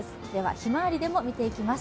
ひまわりでも見ていきます。